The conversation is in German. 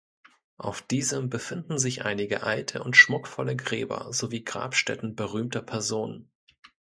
Auf diesem befinden sich einige alte und schmuckvolle Gräber sowie Grabstätten berühmter Personen.